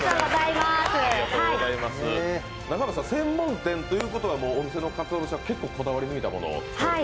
専門店ということはお店のかつお節は結構こだわり抜いたもの？